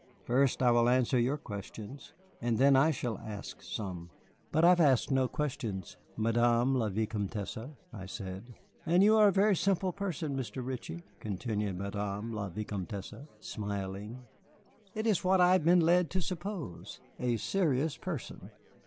First I will answer your questions, and then I shall ask some." "But I have asked no questions, Madame la Vicomtesse," I said. "And you are a very simple person, Mr. Ritchie," continued Madame la Vicomtesse, smiling; "it is what I had been led to suppose. A serious person.